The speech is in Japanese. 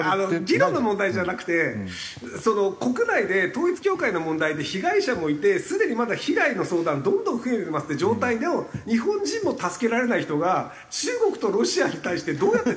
議論の問題じゃなくて国内で統一教会の問題で被害者もいてすでにまだ被害の相談どんどん増えていますって状態の日本人も助けられない人が中国とロシアに対してどうやって対立するんですか？